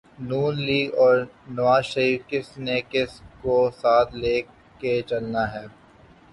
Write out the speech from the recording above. نون league اور نوازشریف کس نے کس کو ساتھ لے کے چلنا ہے۔